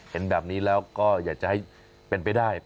เห็นแบบนี้แล้วก็อยากจะให้เป็นไปได้